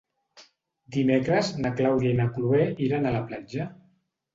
Dimecres na Clàudia i na Cloè iran a la platja.